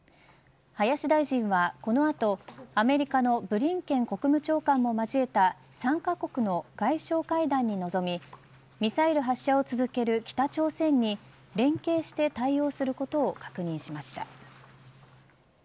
林大臣はこの後、アメリカのブリンケン国務長官も交えた３カ国の外相会談に臨みミサイル発射を続ける北朝鮮に連携して対応することを確認しました。